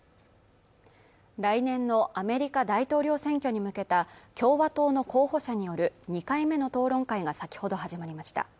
来年のアメリカ大統領選挙に向けた共和党の候補者による２回目の討論会が先ほど始まりました